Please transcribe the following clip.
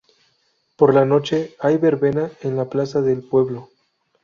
Por la noche hay verbena en la plaza del pueblo.